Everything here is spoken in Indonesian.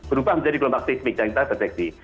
berubah menjadi gelombang seismik yang kita deteksi